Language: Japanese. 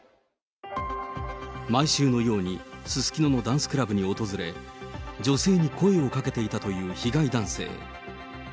毎週のように、すすきののダンスクラブを訪れ、女性に声をかけていたという被害男性。